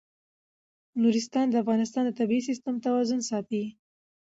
نورستان د افغانستان د طبعي سیسټم توازن ساتي.